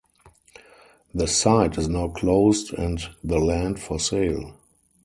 The site is now closed and the land for sale.